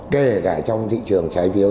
kể cả trong thị trường trái phiếu